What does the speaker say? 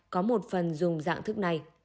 có một phần dùng dạng thức này